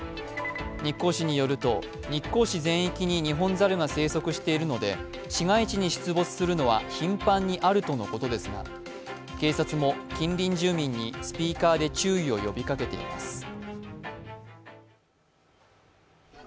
日光市によると、日光市全域に猿が生息しているので市街地に出没するのは頻繁にあるとのことですが警察も近隣住民にスピーカーで注意を呼びかけています。